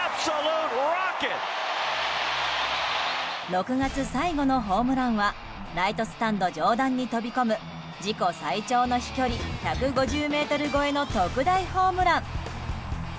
６月最後のホームランはライトスタンド上段に飛び込む自己最長の飛距離１５０ｍ超えの特大ホームラン。